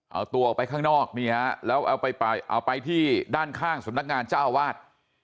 เอาตัวออกไปข้างนอกนี่ฮะแล้วเอาไปที่ด้านข้างสำนักงานเจ้าวาด